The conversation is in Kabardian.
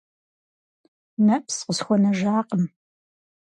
Нэпс къысхуэнэжакъым.